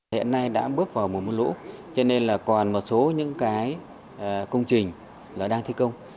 hiện nay đã bước vào mùa mưa lũ cho nên là còn một số những cái công trình là đang thi công